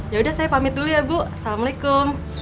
ya udah saya pamit dulu ya bu assalamualaikum